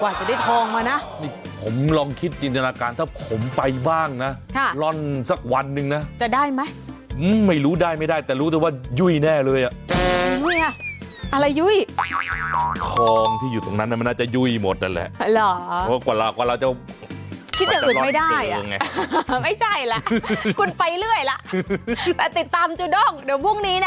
และติดตามจุดงเดี๋ยวพรุ่งนี้นะ